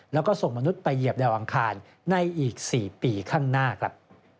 แล้วก็ส่งมนุษย์ไปเหยียบดาวอังคารในอีก๔ปีข้างหน้าครับ